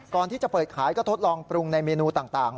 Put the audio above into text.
ก่อนที่จะเปิดขายก็ทดลองปรุงในเมนูต่าง